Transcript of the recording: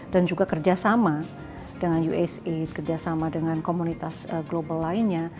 dan juga kerjasama dengan uasa kerjasama dengan komunitas global lainnya